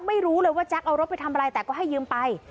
ไม่รู้เลยว่าแจ๊คเอารถไปทำอะไรแต่ก็ให้ยืมไป